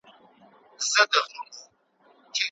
چي د حق ناره کړي پورته له ممبره